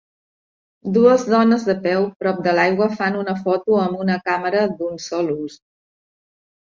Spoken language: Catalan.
Dues dones de peu prop de l'aigua fan una foto amb una càmera d'un sol ús.